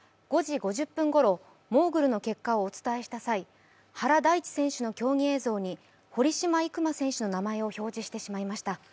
５時５０分ごろ、モーグルの結果をお伝えした際、原大智選手の競技映像に堀島行真選手の名前を表示してしまいました。